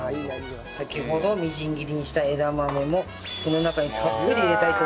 先ほどみじん切りにした枝豆もこの中にたっぷり入れたいと思います。